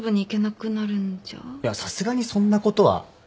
いやさすがにそんなことは。